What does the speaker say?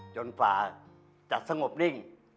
ฝ่าจะสงบนิ่ง